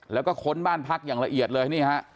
แล้วก็ค้นบ้านพักอย่างละเอียดเลยนี่ฮะ